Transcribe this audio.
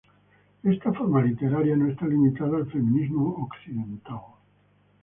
Esta forma literaria no está limitada al feminismo occidental.